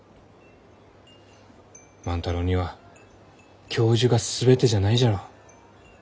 万太郎には教授が全てじゃないじゃろう？